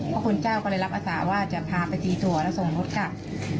พระคุณเจ้าก็เลยรับอาสาว่าจะพาไปตีตัวแล้วส่งรถกลับ